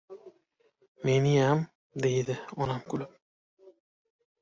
— Meniyam... — deydi onam kulib.